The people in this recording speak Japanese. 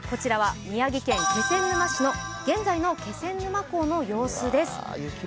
宮城県気仙沼市の現在の気仙沼港の様子です。